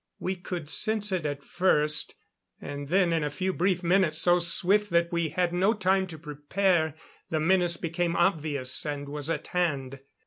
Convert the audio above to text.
We could sense it at first; and then in a few brief minutes so swift that we had no time to prepare the menace became obvious and was at hand.